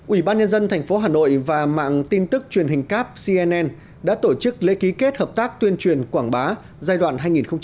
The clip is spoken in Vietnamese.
ủy ban nhân dân thành phố hà nội và mạng tin tức truyền hình cáp cnn đã tổ chức lễ ký kết hợp tác tuyên truyền quảng bá giai đoạn hai nghìn một mươi bảy hai nghìn một mươi tám